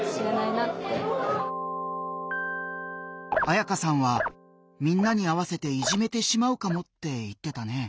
あやかさんはみんなに合わせていじめてしまうかもって言ってたね。